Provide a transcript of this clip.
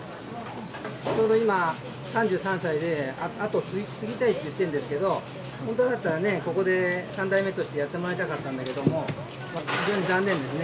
ちょうど今、３３歳で、跡を継ぎたいって言ってるんですけど、本当だったらね、ここで３代目としてやってもらいたかったんだけれども、非常に残念ですね。